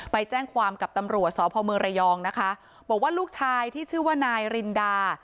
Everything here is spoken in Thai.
ไปแจ้งความกับตำรวจสพเมืองระยองนะคะบอกว่าลูกชายที่ชื่อว่านายรินดา